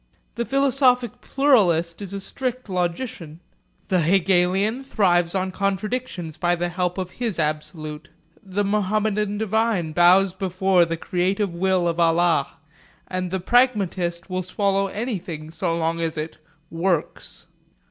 The philosophic pluralist is a strict logician; the Hegelian thrives on contradictions by the help of his absolute; the Mohammedan divine bows before the creative will of Allah; and the pragmatist will swallow anything so long as it 'works.'